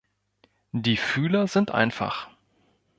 Die Fühler sind einfach.